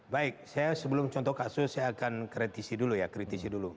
baik saya sebelum contoh kasus saya akan kritisi dulu ya kritisi dulu